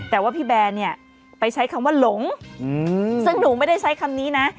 แต่ว่าพี่แบร์เนี่ยไปใช้คำว่าหลงซึ่งหนูไม่ได้ใช้คำนี้นะ